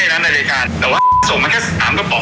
ที่คุณนนะในโดยการแต่ว่าส่งมันแค่สามกระป๋อง